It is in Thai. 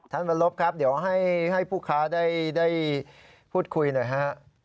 วันลบครับเดี๋ยวให้ผู้ค้าได้พูดคุยหน่อยฮะ